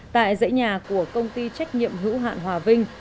tại dãy nhà của công ty trách nhiệm hữu hạn hòa vinh